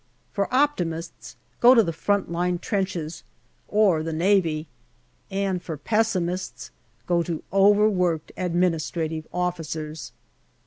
For optimists, go to the front line trenches or the Navy and for pessimists, go to overworked administrative officers.